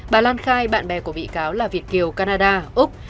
bà lan khai bạn bè của bị cáo là việt kiều canada úc